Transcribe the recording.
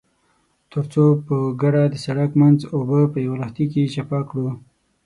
ترڅو په ګډه د سړک منځ اوبه په يوه لښتي کې چپه کړو.